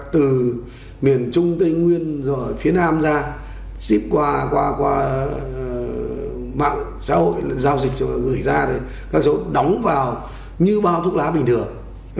từ miền trung tây nguyên rồi phía nam ra ship qua mạng xã hội giao dịch rồi gửi ra để các dấu đóng vào như bao thuốc lá bình thường